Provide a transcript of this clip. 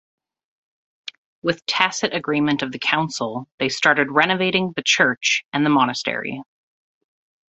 With tacit agreement of the council, they started renovating the church and the monastery.